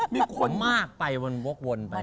มีคนมากไปมันวกวนไป